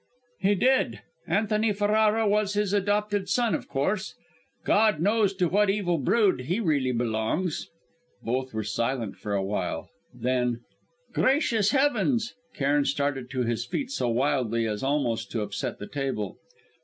"He did. Antony Ferrara was his adopted son, of course; God knows to what evil brood he really belongs." Both were silent for a while. Then: "Gracious heavens!" Cairn started to his feet so wildly as almost to upset the table.